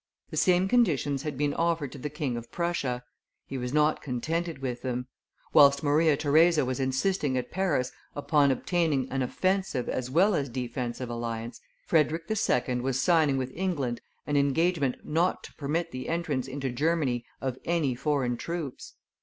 The same conditions had been offered to the King of Prussia; he was not contented with them. Whilst Maria Theresa was insisting at Paris upon obtaining an offensive as well as defensive alliance, Frederick II. was signing with England an engagement not to permit the entrance into Germany of any foreign troops.